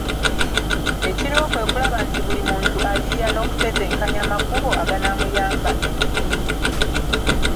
Ekiriwo kwe kulaba nti buli muntu ayiiya n’okutetenkanya amakubo aganaamuyamba ensimbi.